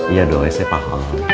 iya doa siap pak